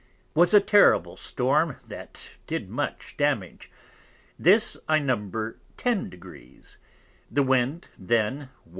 was a terrible Storm that did much damage. This I number 10 degrees; the Wind then W.N.